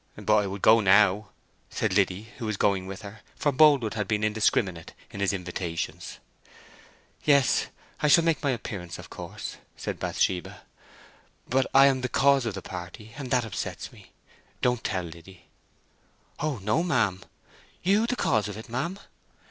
"But I would go now," said Liddy, who was going with her; for Boldwood had been indiscriminate in his invitations. "Yes, I shall make my appearance, of course," said Bathsheba. "But I am the cause of the party, and that upsets me!—Don't tell, Liddy." "Oh no, ma'am. You the cause of it, ma'am?"